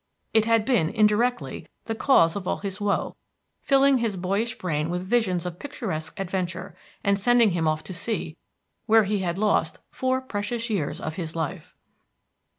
It had been, indirectly, the cause of all his woe, filling his boyish brain with visions of picturesque adventure, and sending him off to sea, where he had lost four precious years of his life.